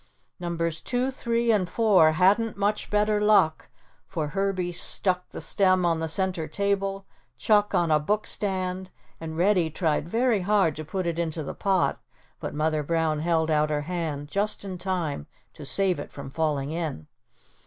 Numbers two, three and four hadn't much better luck for Herbie stuck the stem on the center table, Chuck on a book stand and Reddy tried very hard to put it into the pot but Mother Brown held out her hand just in time to save it from falling in.